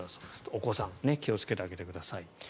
お子さん気をつけてあげてください。